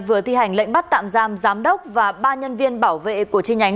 vừa thi hành lệnh bắt tạm giam giám đốc và ba nhân viên bảo vệ của chi nhánh